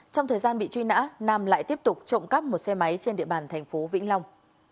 trong thời gian bị truy nã nam lại tiếp tục trộm cắp một xe máy trên địa bàn thành phố vĩnh long